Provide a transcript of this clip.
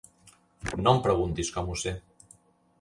No em preguntis com ho sé